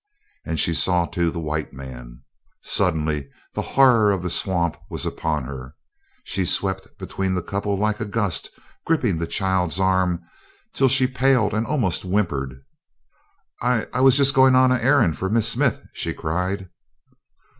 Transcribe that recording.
And she saw, too, the white man. Suddenly the horror of the swamp was upon her. She swept between the couple like a gust, gripping the child's arm till she paled and almost whimpered. "I I was just going on an errand for Miss Smith!" she cried.